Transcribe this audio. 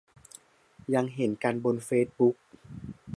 ยังเห็นกันบนเฟซบุ๊ก